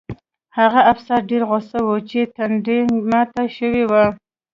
هغه افسر ډېر غوسه و چې ټنډه یې ماته شوې وه